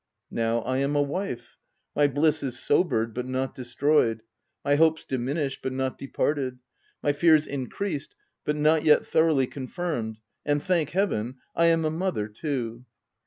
Now I am a wife : my bliss is sobered, but not destroyed ; my hopes diminished, but not de parted; my fears increased but not yet thoroughly confirmed ;— and, thank Heaven, I am a mother too.